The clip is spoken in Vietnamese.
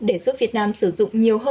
để giúp việt nam sử dụng nhiều hệ thống